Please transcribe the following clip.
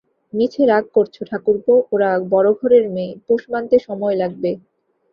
মিছে রাগ করছ ঠাকুরপো, ওরা বড়োঘরের মেয়ে, পোষ মানতে সময় লাগবে।